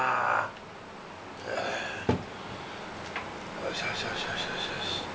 よしよしよしよしよし。